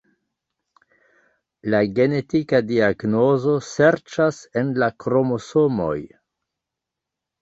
La genetika diagnozo serĉas en la kromosomoj.